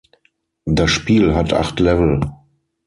Das Spiel hat acht Level.